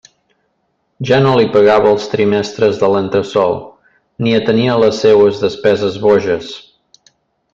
Ja no li pagava els trimestres de l'entresòl, ni atenia les seues despeses boges.